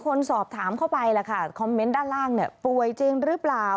คนสอบถามเข้าไปละค่ะด้านล่างเนี้ยป่วยจริงหรือเปล่า